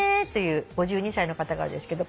５２歳の方からですけど。